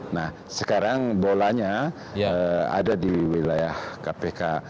nah sekarang bolanya ada di wilayah kpk